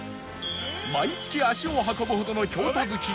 毎月足を運ぶほどの京都好き